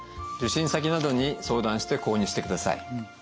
受診先などに相談して購入してください。